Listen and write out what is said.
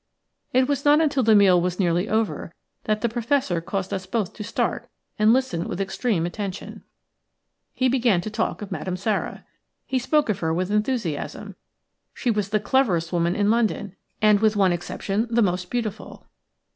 It was not until the meal was nearly over that the Professor caused us both to start, and listen with extreme attention. He began to talk of Madame Sara. He spoke of her with enthusiasm. She was the cleverest woman in London, and, with one exception, the most beautiful.